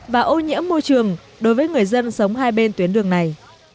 và ô nhiễm môi trường đối với người dân sống hai bên tuyến đường này